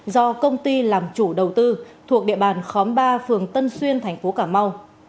do công ty làm chủ đầu tư thuộc địa bàn khóm ba phường tân xuyên thành phố cà mau